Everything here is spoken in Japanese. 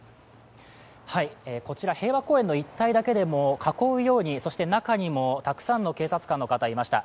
こちら平和公園の一帯だけでも囲うように、そして中にもたくさんの警察官の方がいました。